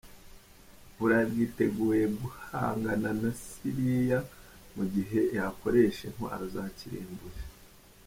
U Burayi bwiteguye guhangana na Siriya mu gihe yakoresha intwaro za kirimbuzi